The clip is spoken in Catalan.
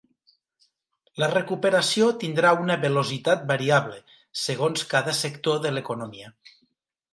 La recuperació tindrà una velocitat variable, segons cada sector de l’economia.